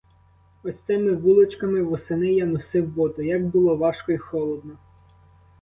Ось цими вуличками восени я носив воду — як було важко й холодно!